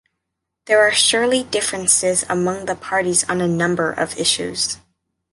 There are surely differences among the parties on a number of issues.